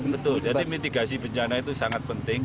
betul jadi mitigasi bencana itu sangat penting